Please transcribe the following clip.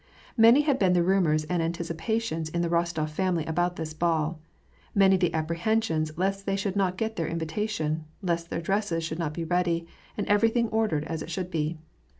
Many had been the rumors and anticipations in the Rostof family about this ball ; many the apprehensions lest they should not get their invitation, lest their dresses should not be ready, and everything ordered as it should be.